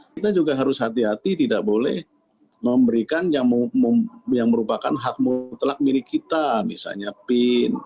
kita juga harus hati hati tidak boleh memberikan yang merupakan hak mutlak milik kita misalnya pin